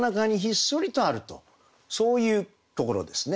そういうところですね。